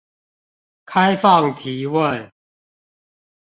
開放提問